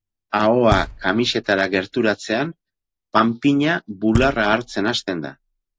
Ahoa kamisetara gerturatzean, panpina bularra hartzen hasten da.